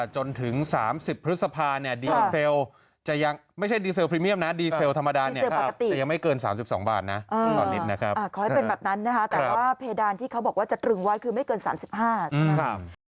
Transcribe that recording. ขอให้เป็นแบบนั้นนะครับแต่ว่าเพดานที่เขาบอกว่าจะตรึงไว้คือไม่เกินสามสิบห้าสักนาทีครับ